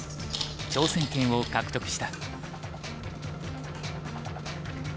挑戦権を獲得した。